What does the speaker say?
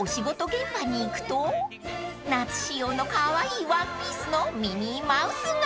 現場に行くと夏仕様のカワイイワンピースのミニーマウスが！］